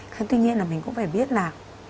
thì tuy nhiên là mình cũng phải biết là